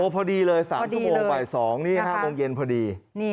พอดีเลย๓ชั่วโมงบ่าย๒นี่๕โมงเย็นพอดี